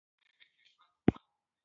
جمهوري حکومت او د هغه ډولونه